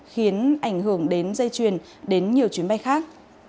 khiến ảnh hưởng đến dây chuyền đến nhiều chuyến bay khác